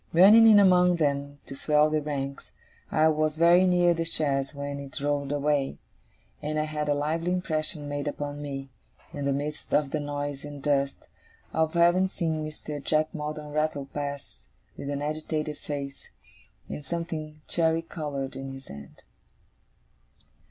Running in among them to swell the ranks, I was very near the chaise when it rolled away; and I had a lively impression made upon me, in the midst of the noise and dust, of having seen Mr. Jack Maldon rattle past with an agitated face, and something cherry coloured in his hand.